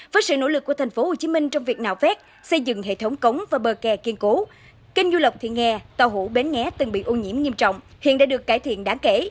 với sự nỗ lực của thành phố hồ chí minh trong việc nạo vét xây dựng hệ thống cống và bờ kè kiên cố kênh du lọc thiện nghè tàu hũ bến nghé từng bị ô nhiễm nghiêm trọng hiện đã được cải thiện đáng kể